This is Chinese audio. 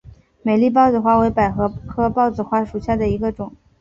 美丽豹子花为百合科豹子花属下的一个种。